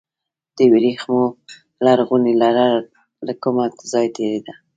د وریښمو لرغونې لاره له کوم ځای تیریده؟